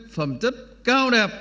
phẩm chất cao đẹp